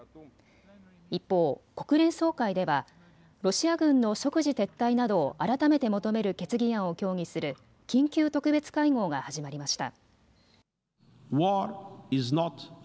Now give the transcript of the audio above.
一方、国連総会ではロシア軍の即時撤退などを改めて求める決議案を協議する緊急特別会合が始まりました。